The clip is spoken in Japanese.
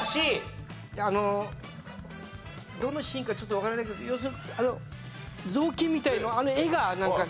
あのどのシーンかちょっとわからないけどあの雑巾みたいなあの画が。